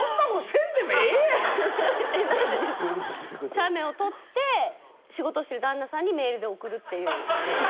写メを撮って仕事してる旦那さんにメールで送るっていう。